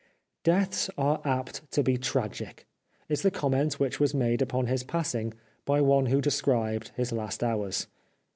" Deaths are apt to be tragic," is the comment which was made upon his passing by one who described his last hours.